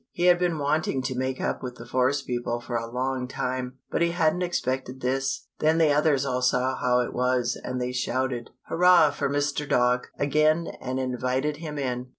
He had been wanting to make up with the forest people for a long time, but he hadn't expected this. Then the others all saw how it was and they shouted, "Hurrah for Mr. Dog!" again and invited him in.